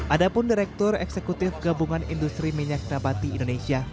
adapun direktur eksekutif gabungan industri minyak dapati indonesia